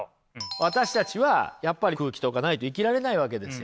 私たちはやっぱり空気とかないと生きられないわけですよ。